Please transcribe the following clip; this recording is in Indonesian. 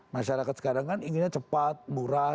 masyarakat sekarang kan inginnya cepat murah